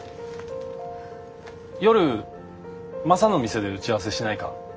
夜マサの店で打ち合わせしないか？